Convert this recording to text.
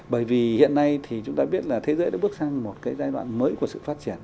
bởi vì hiện nay thì chúng ta biết là thế giới đã bước sang một cái giai đoạn mới của sự phát triển